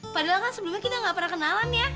padahal kan sebelumnya kita nggak pernah kenalan ya